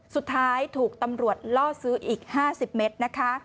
สุดท้ายถูกตำรวจล่อซื้ออีก๕๐เมตรนะคะ